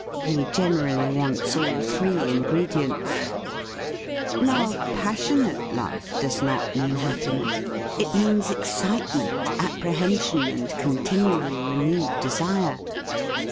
He generally wants all three ingredients. Now pas THE FEAST OF ST FRIEND sionate love does not mean happiness; it means excitement, apprehension and continually renewed desire.